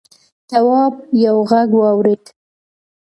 تواب یوه غږ واورېد.